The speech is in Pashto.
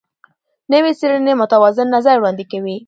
نوې څېړنې متوازن نظر وړاندې کوي.